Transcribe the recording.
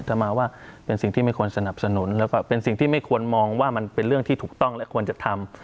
แต่มาว่าเป็นสิ่งที่ไม่ควรสนับสนุนแล้วก็เป็นสิ่งที่ไม่ควรมองว่ามันเป็นเรื่องที่ถูกต้องและควรจะทำ